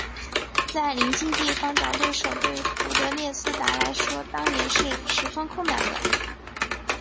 在邻近地方找对手对费德列斯达来说当年是十分困难的。